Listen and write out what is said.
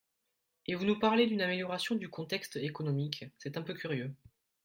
Et vous nous parlez d’une amélioration du contexte économique, c’est un peu curieux